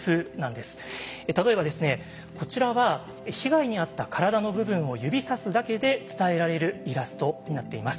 例えばこちらは被害に遭った体の部分を指さすだけで伝えられるイラストになっています。